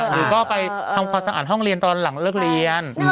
หรือก็ไปทำความสะอาดห้องเรียนตอนหลังเลิกเรียน